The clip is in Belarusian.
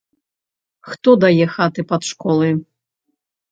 Хто дае хаты пад школы?